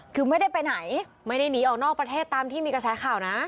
คือไม่ได้ไปไหนไม่ได้หนีออกนอกประเทศตามที่มีกระแสข่าวนะ